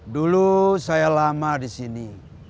dulu saya lama di sini